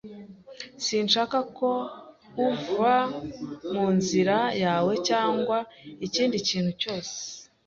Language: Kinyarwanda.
Sinshaka ko uva mu nzira yawe cyangwa ikindi kintu cyose.